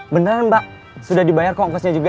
beneran mbak sudah dibayar konkursnya juga